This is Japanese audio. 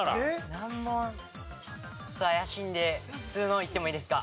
難問ちょっと怪しいんで普通のいってもいいですか？